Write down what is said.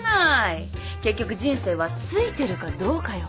結局人生はついてるかどうかよ。